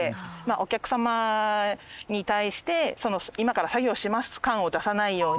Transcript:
お客様に対して今から作業します感を出さないように。